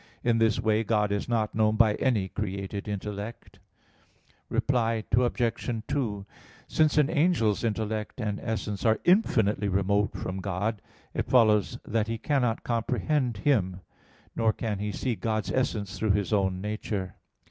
In this way God is not known by any created intellect. Reply Obj. 2: Since an angel's intellect and essence are infinitely remote from God, it follows that he cannot comprehend Him; nor can he see God's essence through his own nature.